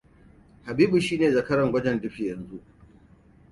Habibua shine zakaran gwajin dafi yanzu.